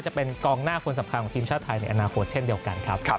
จะเป็นกองหน้าคนสำคัญของทีมชาติไทยในอนาคตเช่นเดียวกันครับ